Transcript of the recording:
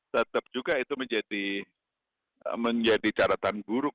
tetap juga itu menjadi catatan buruk